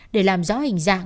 để làm rõ hình dạng